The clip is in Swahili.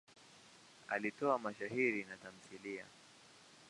Alitoa mashairi na tamthiliya.